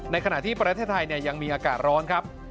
ขณะที่ประเทศไทยยังมีอากาศร้อนครับ